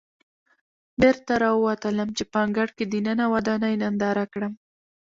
بېرته راووتلم چې په انګړ کې دننه ودانۍ ننداره کړم.